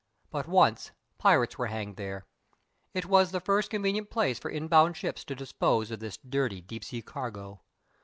But once pirates were hanged there. It was the first convenient place for inbound ships to dispose of this dirty, deep sea cargo.